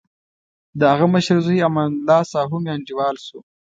دهغه مشر زوی امان الله ساهو مې انډیوال شو.